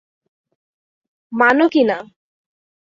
মান কি না?